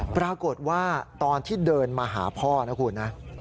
ปรากฏว่าตอนที่เดินมาหาพ่อนะคุณนะ